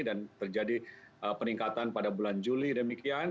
dan terjadi peningkatan pada bulan juli demikian